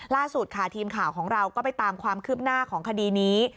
ล่าสุดค่ะทีมข่าวของเราก็ไปตามความคืบหน้าของคดีนี้